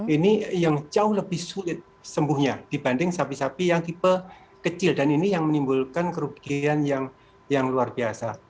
ini yang jauh lebih sulit sembuhnya dibanding sapi sapi yang tipe kecil dan ini yang menimbulkan kerugian yang luar biasa